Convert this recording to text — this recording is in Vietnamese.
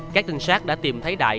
các tình sát đã tìm thấy đại